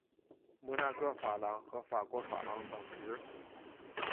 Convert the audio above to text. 摩纳哥法郎和法国法郎等值。